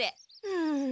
うん。